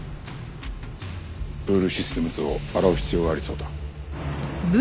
ブールシステムズを洗う必要がありそうだ。